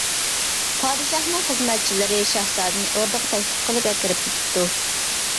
پادىشاھنىڭ خىزمەتچىلىرى شاھزادىنى ئوردىغا تەكلىپ قىلىپ ئەكىرىپ كېتىپتۇ.